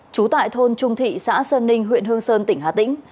trú tại thôn trung thị xã sơn ninh huyện hương sơn tỉnh hà tĩnh